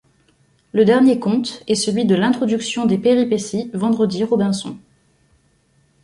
Le dernier conte est celui de l'introduction des péripéties Vendredi - Robinson.